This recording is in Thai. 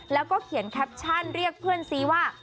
แล้วก็เขียนแคปชั่นเรียกเพื่อนซีว่า